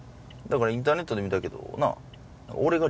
インターネットで見たけどな。